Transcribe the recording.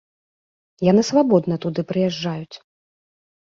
Яны свабодна туды прыязджаюць.